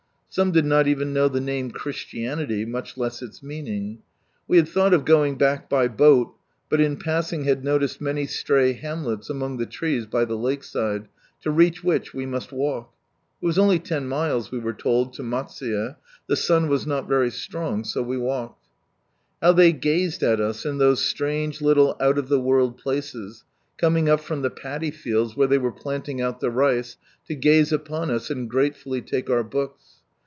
Some did not even know the name "Christianity," much less its meaning. We had thought of going back by boat, but in passing had noticed many stray hamlets among the trees by the lake side, to reach which we must walk. It was only ten miles, we were told, to Matsuye, the sun was not very strong, so we walked. How they gazed at us in those strange, little, out of the world places, coming up from the paddy fields, where ihey were planting out the rice, to gaze upon us, and gratefully take our books.